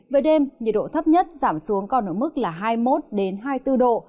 về đêm nhiệt độ thấp nhất giảm xuống còn ở mức là hai mươi một hai mươi bốn độ